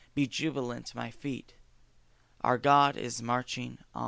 be jubilant, my feet! Our God is marching on.